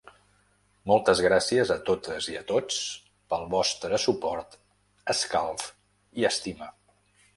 Moltes gràcies a totes i a tots pel vostre suport, escalf i estima.